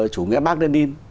chủ nghĩa bác lenin